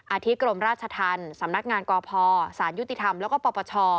ที่กรมราชธรรมสำนักงานกพสารยุติธรรมแล้วก็ปปช